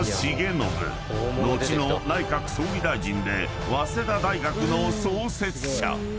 ［後の内閣総理大臣で早稲田大学の創設者］